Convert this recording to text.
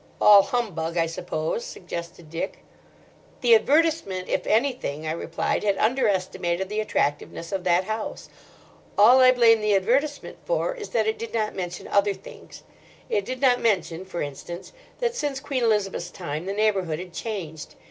"All humbug, I suppose," suggested Dick. "The advertisement, if anything," I replied, "had under estimated the attractiveness of that house. All I blame the advertisement for is that it did not mention other things. It did not mention, for instance, that since Queen Elizabeth's time the neighbourhood had changed.